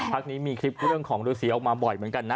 พักนี้มีคลิปเรื่องของฤษีออกมาบ่อยเหมือนกันนะ